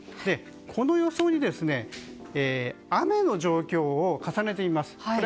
この予想に雨の状況を重ねてみます。